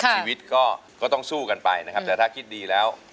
ชีวิตก็ต้องสู้กันไปนะครับแต่ถ้าคิดดีแล้ว